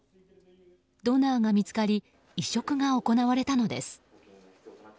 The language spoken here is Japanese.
ドナーが見つかり移植が行われたのです。